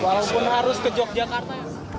walaupun harus ke yogyakarta